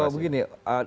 kalau begini ya